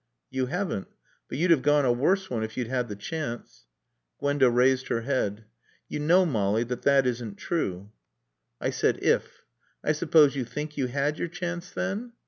"You haven't. But you'd have gone a worse one if you'd had the chance." Gwenda raised her head. "You know, Molly, that that isn't true." "I said if. I suppose you think you had your chance, then?"